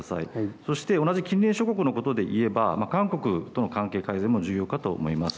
そして同じ近隣諸国のことで言えば韓国との関係改善も重要だと思います。